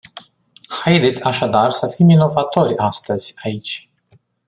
Haideți așadar să fim inovatori astăzi, aici.